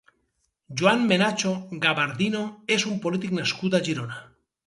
Joan Menacho Gabardino és un polític nascut a Girona.